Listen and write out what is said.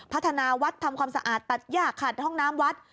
พัฒนาวัดทำความสะอาดตัดย่าขัดห้องน้ำวัด